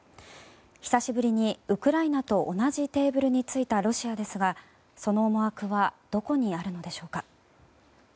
久しぶりにウクライナと同じテーブルについたロシアですがその思惑はどこにあるのでしょうか。